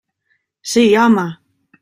Sí, home!